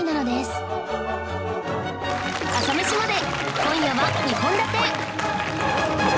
『朝メシまで。』今夜は２本立て